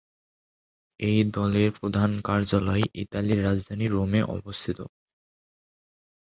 এই দলের প্রধান কার্যালয় ইতালির রাজধানী রোমে অবস্থিত।